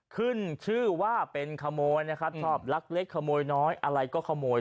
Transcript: ขึ้นชื่อว่าเป็นขโมยนะครับชอบลักเล็กขโมยน้อยอะไรก็ขโมย